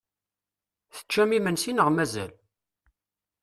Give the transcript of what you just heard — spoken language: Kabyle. Teččam imensi neɣ mazal?